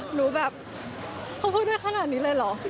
หนูแบบเขาพูดได้ขนาดนี้เลยเหรอ